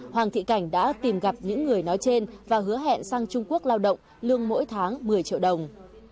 hoàng thị cảnh đã tìm gặp những người nói trên và hứa hẹn sang trung quốc lao động lương mỗi tháng một mươi triệu đồng